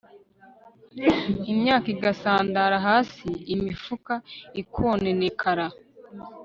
imyaka igasandara hasi imifuka ikononekara